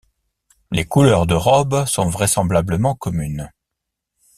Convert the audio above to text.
Les couleurs de robe sont vraisemblablement communes.